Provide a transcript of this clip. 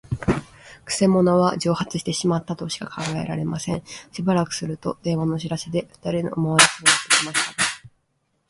くせ者は蒸発してしまったとしか考えられません。しばらくすると、電話の知らせで、ふたりのおまわりさんがやってきましたが、